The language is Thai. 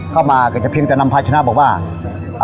เข้ามาก็จะเพียงจะนำพลัยชนะบ่อยว่าร์